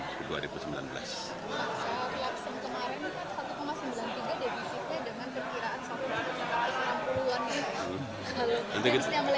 lapsang kemarin satu sembilan puluh tiga divisifnya dengan perkiraan satu enam puluh an